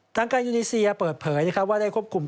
ทางการยูนีเซียเปิดเผยว่าได้ควบคุม